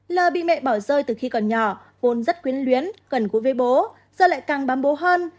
lờ bị mẹ bỏ rơi từ khi còn nhỏ côn rất quyến luyến gần gũi với bố giờ lại càng bám bố hơn